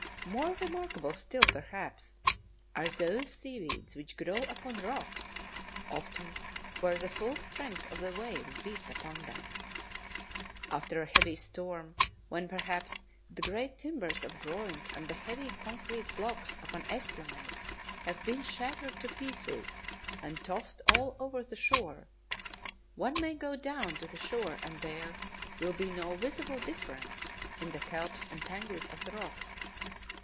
More remarkable still, perhaps, are those seaweeds which grow upon rocks, often where the full strength of the waves beats upon them. After a heavy storm, when, perhaps, the great timbers of groins and the heavy concrete blocks of an esplanade have been shattered to pieces and tossed all over the shore, one may go down to the shore and there will be no visible difference in the kelps and tangles of the rocks.